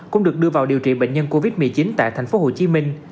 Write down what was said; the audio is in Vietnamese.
cũng được đưa vào điều trị bệnh nhân covid một mươi chín tại thành phố hồ chí minh